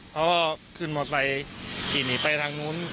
เขาก็ขึ้นมอไซค์ขี่หนีไปทางนู้น